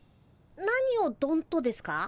何を「どんと」ですか？